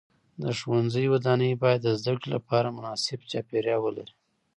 د ښوونځي ودانۍ باید د زده کړې لپاره مناسب چاپیریال ولري.